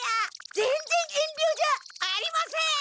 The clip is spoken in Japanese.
ぜんぜんえんりょじゃ。ありません！